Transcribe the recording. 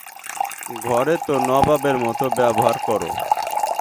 ঘরে তো নবাবের মতো ব্যবহার করো!